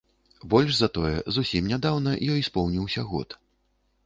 Больш за тое, зусім нядаўна ёй споўніўся год.